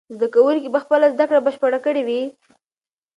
زده کوونکي به خپله زده کړه بشپړه کړې وي.